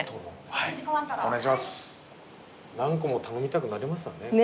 何個も頼みたくなりますわね。